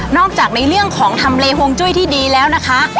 จากในเรื่องของทำเลห่วงจุ้ยที่ดีแล้วนะคะ